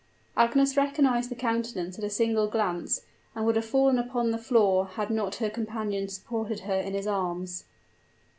Agnes recognized the countenance at a single glance, and would have fallen upon the floor had not her companion supported her in his arms.